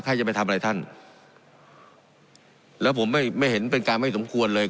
ใครจะไปทำอะไรท่านแล้วผมไม่ไม่เห็นเป็นการไม่สมควรเลย